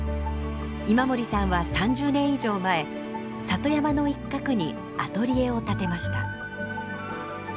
今森さんは３０年以上前里山の一角にアトリエを建てました。